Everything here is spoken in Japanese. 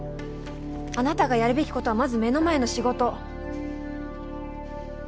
あなたがやるべきことはまず目の前の仕事。